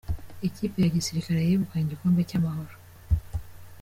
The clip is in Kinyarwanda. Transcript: Ikipe yagisirikare yegukanye igikombe cya amahoro